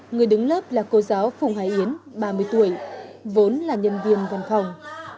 người đứng lớp là cô giáo phùng hải yến ba mươi tuổi vốn là nhân viên văn phòng